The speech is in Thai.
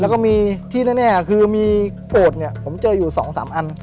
แล้วก็มีที่แน่แน่คือมีโกดเนี้ยผมเจออยู่สองสามอัน